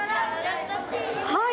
はい。